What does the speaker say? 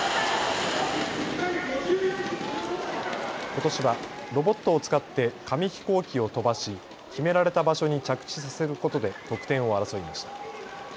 ことしはロボットを使って紙飛行機を飛ばし、決められた場所に着地させることで得点を争いました。